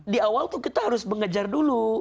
di awal tuh kita harus mengejar dulu